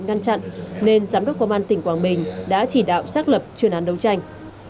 ngăn chặn nên giám đốc công an tỉnh quang bình đã chỉ đạo xác lập truyền án đấu tranh